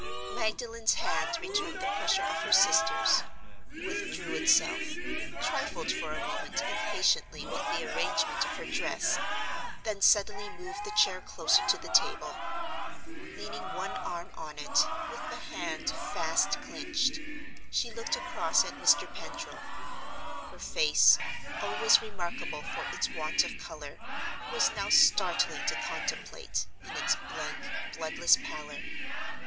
Magdalen's hand returned the pressure of her sister's—withdrew itself—trifled for a moment impatiently with the arrangement of her dress—then suddenly moved the chair closer to the table. Leaning one arm on it (with the hand fast clinched), she looked across at Mr. Pendril. Her face, always remarkable for its want of color, was now startling to contemplate, in its blank, bloodless pallor.